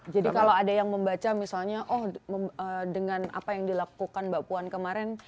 jadi kalau ada yang membaca misalnya dengan apa yang dilakukan mbak puan kemarin